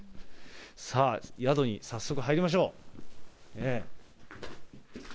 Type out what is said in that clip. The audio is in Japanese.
さあ、宿に早速入りましょう。